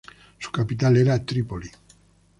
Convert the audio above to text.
Su capital era Tripoli.